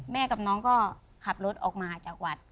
กับน้องก็ขับรถออกมาจากวัด